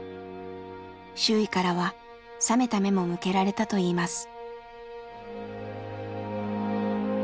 周囲からは冷めた目も向けられたといいます。